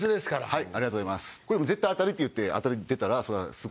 はい。